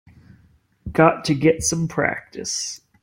Got to get some practice.